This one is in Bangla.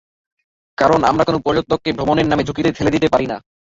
কারণ আমরা কোনো পর্যটককে ভ্রমণের নামে ঝঁুকিতে ঠেলে দিতে পারি না।